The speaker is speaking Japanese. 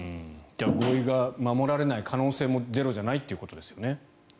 じゃあ合意が守られない可能性もゼロじゃないということですね。